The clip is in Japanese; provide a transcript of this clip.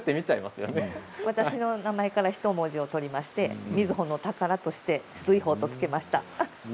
私の名前からひと文字取りまして瑞穂の宝として瑞宝と付けました。